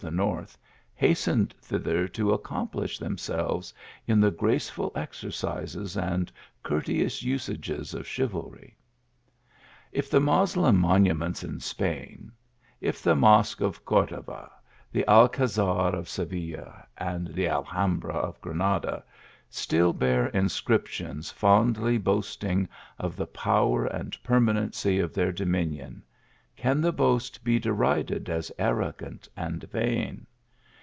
the north hastened thither, to accomplish themselves in the graceful exercises and courteous usages of chiv alry. If the Moslem monuments in Spain ; if the Mosque of Cordova, the Alcazar of Seville and the Alhambra of Granada, still bear inscriptions fondly boasting of the power and permanency of their dominion, can the boast be derided as arrogant and vain